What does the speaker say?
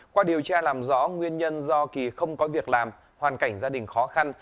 qua điều tra làm rõ nguyên nhân do kỳ không có việc làm hoàn cảnh gia đình khó khăn